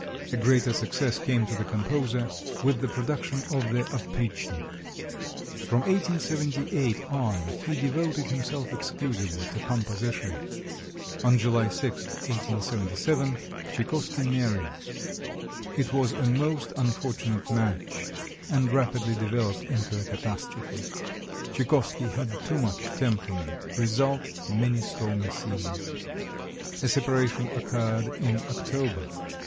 A greater success came to the composer with the production of the "Oprischnik." From 1878 on he devoted himself exclusively to composition. On July 6, 1877, Tchaikovsky married. It was a most unfortunate match and rapidly developed into a catastrophe. Tchaikovsky had too much temperament result, many stormy scenes. A separation occurred in October.